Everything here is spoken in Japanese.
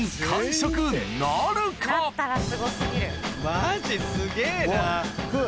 マジすげぇな。